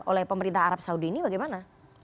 oleh pemerintah arab saudi ini bagaimana